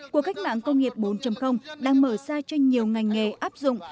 cuộc cách mạng công nghiệp bốn đang mở ra cho nhiều ngành nghề áp dụng